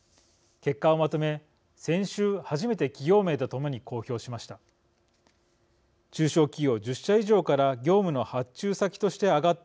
結果をまとめ、先週初めて企業名と共に公表しました。